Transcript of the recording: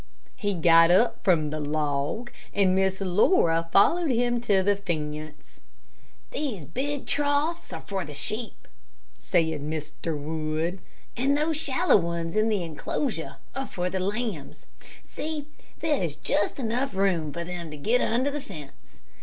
He got up from the log, and Miss Laura followed him to the fence. "These big troughs are for the sheep," sad Mr. Wood; "and those shallow ones in the enclosure are for the lambs. See, there is just room enough for them to get under the fence.